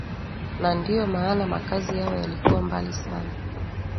na ndio maana makazi yao yalikuwa mbalimbali Sana